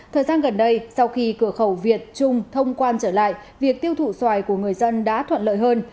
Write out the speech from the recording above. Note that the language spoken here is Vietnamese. thời gian gần đây sau khi cửa khẩu việt trung thông quan trở lại việc tiêu thụ xoài của người dân đã thuận lợi hơn